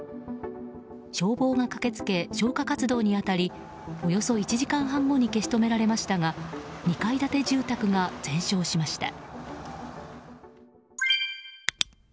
消防が駆け付け消火活動に当たりおよそ１時間半後に消し止められましたが２階建て住宅が全焼しました。